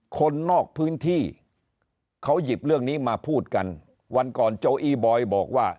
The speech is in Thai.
คนนอกพื้นที่เขาหยิบเรื่องนี้มาพูดกันวันก่อนโจอี้บอยบอกว่า